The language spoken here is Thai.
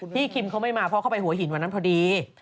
คิมเขาไม่มาเพราะเข้าไปหัวหินวันนั้นพอดี